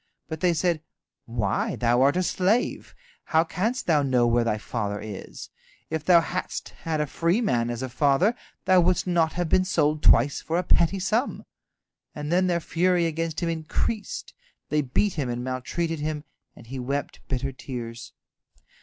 But they said, "Why, thou art a slave! How canst thou know where thy father is? If thou hadst had a free man as father, thou wouldst not have been sold twice for a petty sum." And then their fury against him increased, they beat him and maltreated him, and he wept bitter tears.